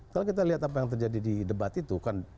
kalau kita lihat apa yang terjadi di debat itu kan